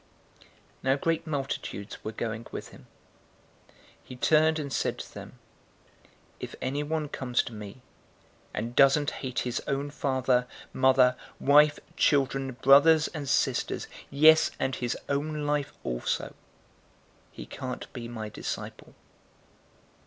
'" 014:025 Now great multitudes were going with him. He turned and said to them, 014:026 "If anyone comes to me, and doesn't hate his own father, mother, wife, children, brothers, and sisters, yes, and his own life also, he can't be my disciple.